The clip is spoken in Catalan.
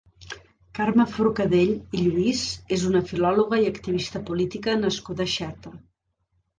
Carme Forcadell i Lluís és una filòloga i activista política nascuda a Xerta.